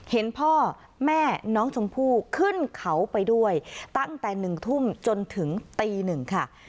เห็นพ่อแม่น้องชมพู่ขึ้นเขาไปด้วยตั้งแต่๑ทุ่มจนถึงตีหนึ่งค่ะ